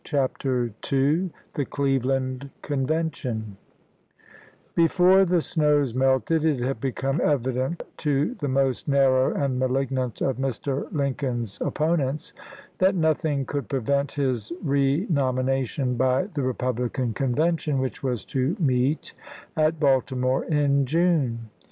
CHAPTER II THE CLEVELAND CONVENTION BEFORE the snows melted, it had become evi dent to the most narrow and malignant of Mr. Lincoln's opponents that nothing could prevent his renomination by the Republican Convention which was to meet at Baltimore in June.